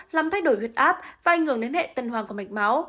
làm thay đổi huyết áp và ảnh hưởng đến hệ tần hoàng của mạch máu